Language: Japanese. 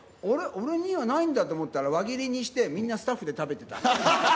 俺にはないんだと思ったら、輪切りにして、みんなスタッフで食べてた。